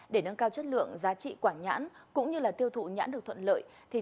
để nâng cao chất lượng giá trị quả nhãn cũng như tiêu thụ nhãn được thuận lợi